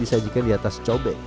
disajikan diatas cobek